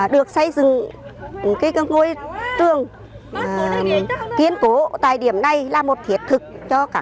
được xây dựng ngôi trường kiên cố tại điểm này là một thiệt thực